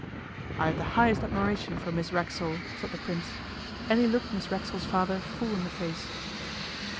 'I have the highest admiration for Miss Racksole,' said the Prince, and he looked Miss Racksole's father full in the face.